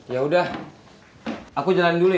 yaudah aku jalan dulu ya